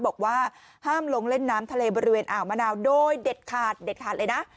บอกว่าห้ามลงเล่นน้ำทะเลบริเวณอ่าวมะนาวโดยเด็ดขาดเด็ดขาดเลยนะ